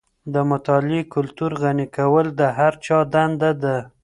د مطالعې کلتور غني کول د هر چا دنده ده.